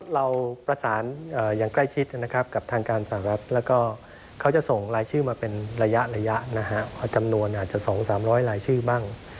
เราประสานอย่างใกล้ชิดนะครับกับทางการสหรัฐแล้วก็เขาจะส่งรายชื่อมาเป็นระยะจำนวนอาจจะ๒๓๐๐ลายชื่อบ้าง